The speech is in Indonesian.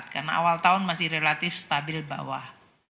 karena awal tahun masih relatif stabil bawah